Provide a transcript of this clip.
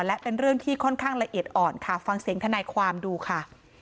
และเป็นเรื่องที่ค่อนข้างละเอียดอ่อนค่ะฟังเสียงทนายความดูค่ะ